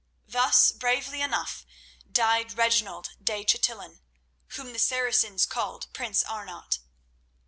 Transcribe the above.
Thus, bravely enough, died Reginald de Chatillon, whom the Saracens called prince Arnat.